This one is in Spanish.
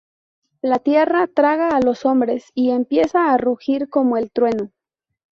La tierra traga a los hombres y empieza a rugir como el trueno".